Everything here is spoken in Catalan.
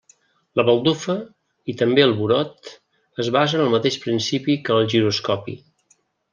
La baldufa, i també el burot, es basa en el mateix principi que el giroscopi.